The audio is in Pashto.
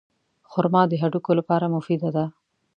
خرما د هډوکو لپاره مفیده ده.